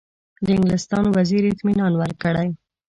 د انګلستان وزیر اطمینان ورکړی.